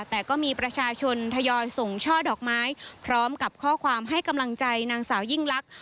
แต่ก็มีประชาชนทยอยส่งช่อดอกไม้พร้อมกับข้อความให้กำลังใจนางสาวยิ่งลักษณ